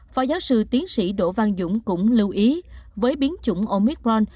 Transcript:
phó giáo sư tiến sĩ đỗ văn dũng cũng lưu ý với biến chủng omicron